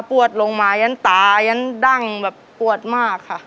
ปวดลงมายันตายันดั้งแบบปวดมากค่ะ